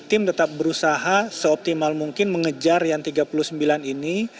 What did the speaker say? tim tetap berusaha seoptimal mungkin mengejar yang tiga puluh sembilan ini